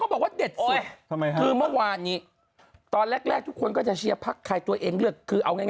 ผมไม่เครียร์อะไรเลยได้ไหม